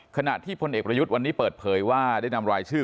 ขณะที่พลเอกประยุทธ์วันนี้เปิดเผยว่าได้นำรายชื่อ